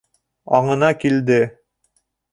— Аңына килде!